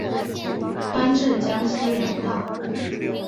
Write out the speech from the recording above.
官至江西粮道。